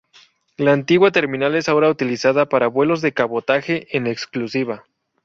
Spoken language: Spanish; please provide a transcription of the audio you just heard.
La antigua terminal es ahora utilizada para vuelos de cabotaje en exclusiva.